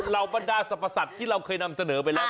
บรรดาสรรพสัตว์ที่เราเคยนำเสนอไปแล้ว